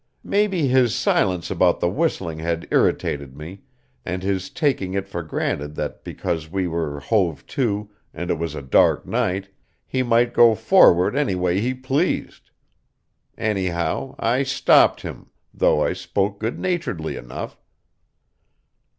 Maybe his silence about the whistling had irritated me, and his taking it for granted that because we were hove to and it was a dark night, he might go forward any way he pleased. Anyhow, I stopped him, though I spoke good naturedly enough.